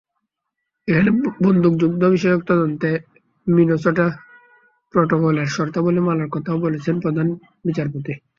এখানে বন্দুকযুদ্ধবিষয়ক তদন্তে মিনেসোটা প্রটোকলের শর্তাবলি মানার কথাও বলেছেন প্রধান বিচারপতি।